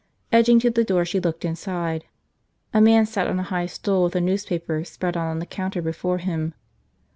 Edging to the door, she looked inside. A man sat on a high stool with a newspaper spread out on the counter before him.